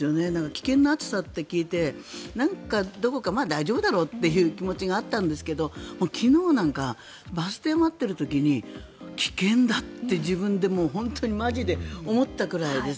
危険な暑さと聞いて、どこか大丈夫だろうという気持ちがあったんですけど昨日なんかバス停で待っている時に危険だって自分でマジで思ったぐらいです。